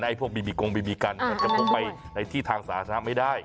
พวกบีบีกงบีบีกันมันจะพกไปในที่ทางสาธารณะไม่ได้